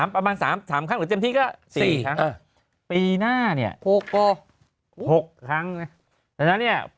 ประมาณ๓ครั้งหรือเต็มที่ก็๔ครั้งปีหน้าเนี่ย๖ครั้งนะดังนั้นเนี่ย